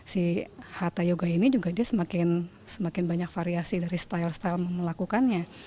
si hatta yoga ini juga dia semakin banyak variasi dari style style melakukannya